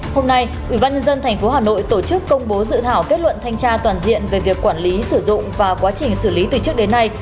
hôm nay ubnd tp hà nội tổ chức công bố dự thảo kết luận thanh tra toàn diện về việc quản lý sử dụng và quá trình xử lý từ trước đến nay